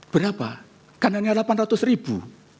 berapa kan hanya delapan ratus ribu